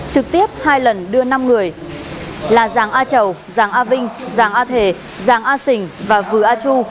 trực tiếp hai lần đưa năm người là giàng a chầu giàng a vinh giàng a thề giàng a sình và vừa a chu